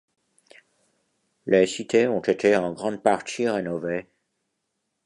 Les cités ont été en grande partie rénovées.